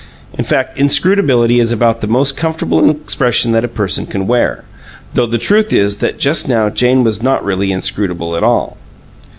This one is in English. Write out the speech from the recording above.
In fact, inscrutability is about the most comfortable expression that a person can wear, though the truth is that just now Jane was not really inscrutable at all.